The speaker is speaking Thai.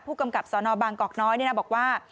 ผู้กำกับสนบางกอกน้อยบอกว่า